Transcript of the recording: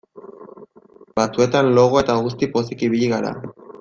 Batzuetan logoa eta guzti pozik ibili gara.